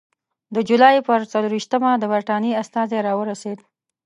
د جولای پر څلېرویشتمه د برټانیې استازی راورسېد.